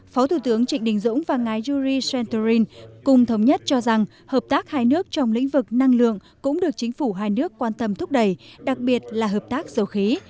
phó thủ tướng trịnh đình dũng và ngài juri sentoryn cùng thống nhất cho rằng hợp tác hai nước trong lĩnh vực năng lượng cũng được chính phủ hai nước quan tâm thúc đẩy đặc biệt là hợp tác dầu khí